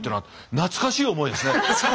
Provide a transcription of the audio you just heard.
懐かしい思いですね。